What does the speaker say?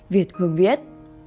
việt hương viết